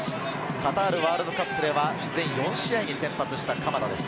カタールワールドカップでは全４試合に先発した鎌田です。